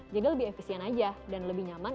jadi lebih efisien aja dan lebih nyaman